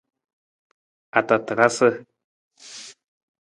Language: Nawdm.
Atatarasa.